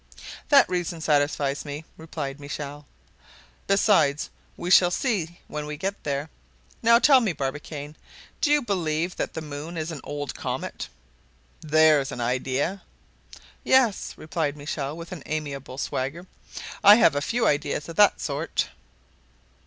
"That reason satisfies me," replied Michel. "Besides we shall see when we get there. Now, tell me, Barbicane, do you believe that the moon is an old comet?" "There's an idea!" "Yes," replied Michel, with an amiable swagger, "I have a few ideas of that sort."